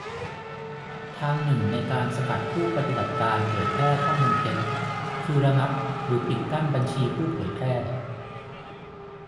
ทางหนึ่งในการสกัดผู้ปฏิบัติการเผยแพร่ข้อมูลเท็จ คือระงับหรือปิดกั้นบัญชีผู้เผยแพร่